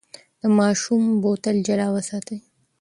د ماشوم بوتل جلا وساتئ.